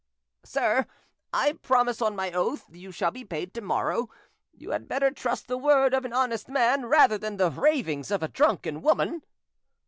"Sir, I promise on my oath you shall be paid tomorrow; you had better trust the word of an honest man rather than the ravings of a drunken woman."